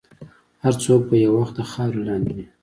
هر څوک به یو وخت د خاورې لاندې وي.